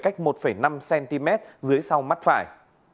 cách một năm cm dưới sau mắt phải